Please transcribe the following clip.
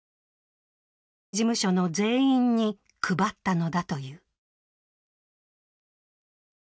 事務所の全員に配ったのだという。